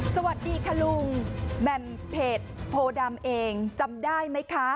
สวัสดีค่ะลุงแหม่มเพจโพดำเองจำได้ไหมคะ